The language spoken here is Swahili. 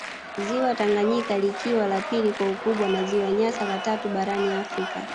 Ziwa Tanganyika likiwa la pili kwa ukubwa na ziwa Nyasa la tatu barani Afrika